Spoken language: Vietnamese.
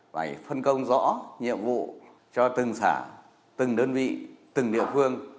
phải phân công rõ nhiệm vụ cho từng xã từng đơn vị từng địa phương